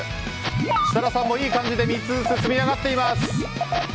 設楽さんもいい感じで３つずつ積み上がっています。